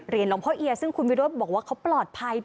หลวงพ่อเอียซึ่งคุณวิโรธบอกว่าเขาปลอดภัย